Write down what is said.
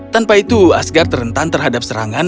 tanpa itu asgard rentan terhadap serangan